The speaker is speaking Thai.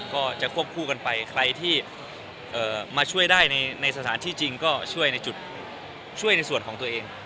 ก็จะควบคู่กันไปใครที่มาช่วยได้ในสถานที่จริงก็ช่วยในจุดช่วยในส่วนของตัวเอง